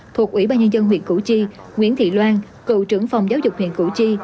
thuộc ủy ban nhân dân huyện củ chi nguyễn thị loan cựu trưởng phòng giáo dục huyện củ chi